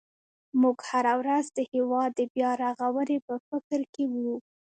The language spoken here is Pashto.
موږ هره ورځ د هېواد د بیا رغونې په فکر کې وو.